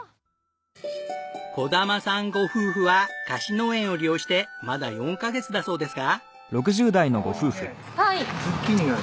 児玉さんご夫婦は貸し農園を利用してまだ４カ月だそうですが。